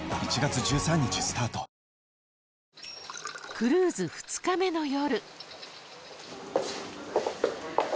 クルーズ２日目の夜